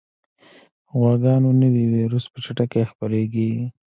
غواګانو نوی ویروس په چټکۍ خپرېږي.